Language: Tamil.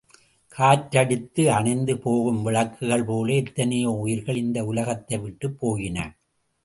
காற்றடித்து அணைந்து போகும் விளக்குகள் போல எத்தனையோ உயிர்கள் இந்த உலகத்தைவிட்டுப் போயின.